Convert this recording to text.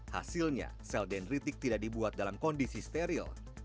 hasilnya sel dendritik tidak dibuat dalam kondisi steril